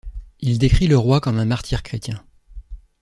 Il décrit le roi comme un martyr chrétien.